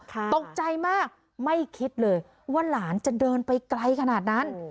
ตกใจมากไม่คิดเลยว่าหลานจะเดินไปไกลขนาดนั้น